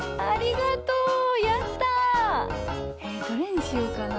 えどれにしようかな？